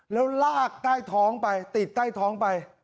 แล้วลากใต้ท้องไปติดใต้ท้องไป